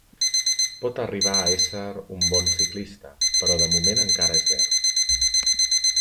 Pot arribar a ésser un bon ciclista, però de moment encara és verd.